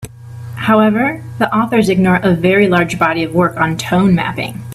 However, the authors ignore a very large body of work on tone mapping.